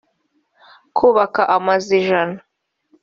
kubaka amazu ijana